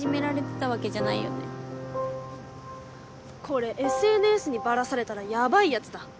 これＳＮＳにバラされたらヤバいやつだ。